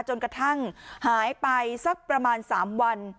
จนกระทั่งหายไปสักประมาณ๓วัน